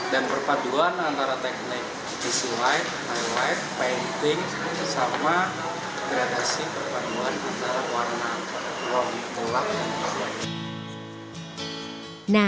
dan perpaduan antara teknik easy light highlight painting sama gradasi perpaduan antara warna warm gelap dan twilight